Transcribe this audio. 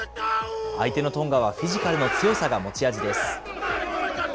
相手のトンガはフィジカルの強さが持ち味です。